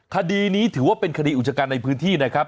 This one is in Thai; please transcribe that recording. คดีนี้ถือว่าเป็นคดีอุจการในพื้นที่นะครับ